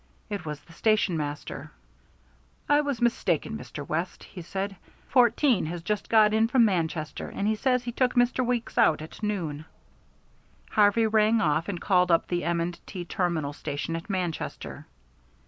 It was the station master. "I was mistaken, Mr. West," he said. "Fourteen has just got in from Manchester, and he says he took Mr. Weeks out at noon." Harvey rang off and called up the M. & T. terminal station at Manchester.